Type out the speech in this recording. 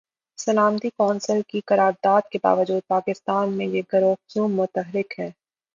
سلامتی کونسل کی قرارداد کے باجود پاکستان میں یہ گروہ کیوں متحرک ہیں؟